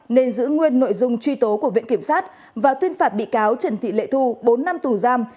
nên giữ nguyên nội dung truy tố của viện kiểm sát và tuyên phạt bị cáo trần thị lệ thu bốn năm tù giam